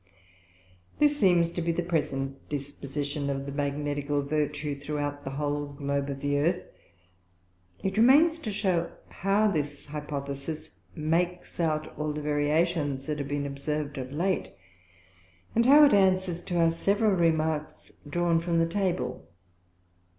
This seems to be the present Disposition of the Magnetical Vertue throughout the whole Globe of the Earth; it remains to shew how this Hypothesis makes out all the Variations that have been observ'd of late; and how it answers to our several Remarks drawn from the Table.